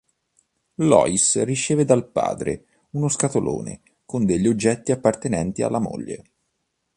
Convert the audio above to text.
Lois riceve dal padre uno scatolone con degli oggetti appartenenti alla moglie.